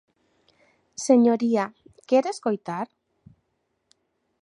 Señoría, ¿quere escoitar?